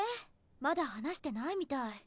まだ話してないみたい。